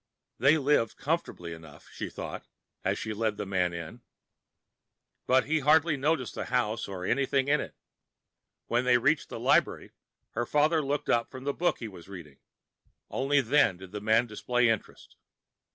They lived comfortably enough, she thought, as she led the man in. But he hardly noticed the house or anything in it. When they reached the library and her father looked up from the book he was reading, only then did the man display interest.